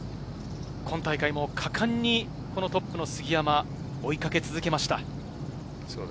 今大会も果敢にトップの杉山、追いかけ続けました。